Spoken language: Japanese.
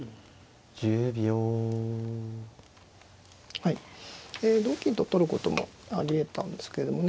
はい同金と取ることもありえたんですけれどもね